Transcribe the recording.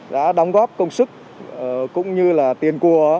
đã đóng góp công sức cũng như là tiền của